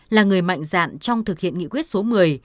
là người mạnh dạn trong thực hiện nghị quyết số một mươi